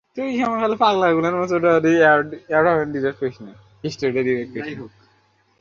বোনকে ফোন করে জানিয়ে দেন, তাঁর ভগ্নিপতি একটি কাজে মানিকছড়ি গেছেন।